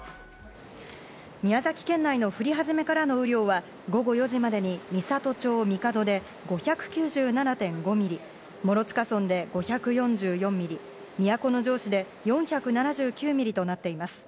宮崎県内の降り始めからの雨量は、午後４時までに美郷町神門で５９７．５ミリ、諸塚村で５４４ミリ、都城市で４７９ミリとなっています。